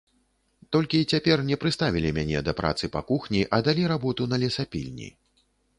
Толькі цяпер не прыставілі мяне да працы па кухні, а далі работу на лесапільні.